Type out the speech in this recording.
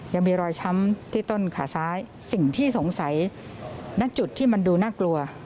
ยังมีรอยช้ำที่ต้นขาซ้ายสิ่งที่สงสัยณจุดที่มันดูน่ากลัว